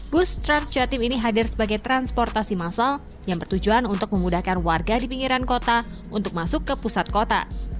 bus transjatim ini hadir sebagai transportasi masal yang bertujuan untuk memudahkan warga di pinggiran kota untuk masuk ke pusat kota